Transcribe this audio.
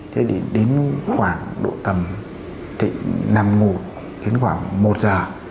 thế thì đến khoảng độ tầm thịnh nằm ngủ đến khoảng một h